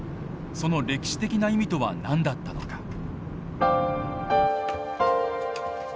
その歴史的な意味とは何だったのか。